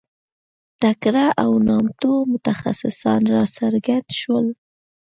تکړه او نامتو متخصصان راڅرګند شول.